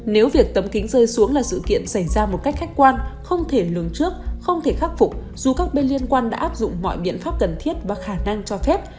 nếu việc tấm kính rơi xuống là sự kiện xảy ra một cách khách quan không thể lường trước không thể khắc phục dù các bên liên quan đã áp dụng mọi biện pháp cần thiết và khả năng cho phép